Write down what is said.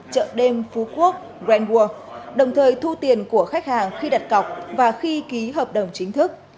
chợ đêm phú quốc grand world đồng thời thu tiền của khách hàng khi đặt cọc và khi ký hợp đồng chính thức